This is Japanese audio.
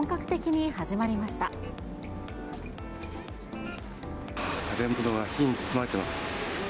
火に包まれています。